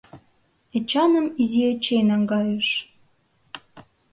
Эчаным Изи Эчей наҥгайыш.